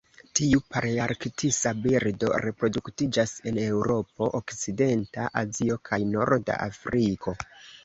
Tiu palearktisa birdo reproduktiĝas en Eŭropo, okcidenta Azio kaj norda Afriko.